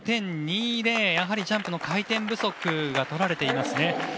やはりジャンプの回転不足が取られています。